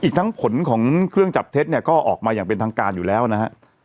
ทั้งผลของเครื่องจับเท็จเนี่ยก็ออกมาอย่างเป็นทางการอยู่แล้วนะฮะ